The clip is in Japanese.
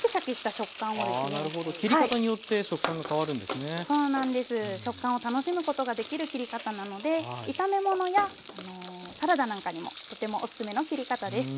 食感を楽しむことができる切り方なので炒め物やサラダなんかにもとてもおすすめの切り方です。